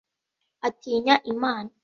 atinya imana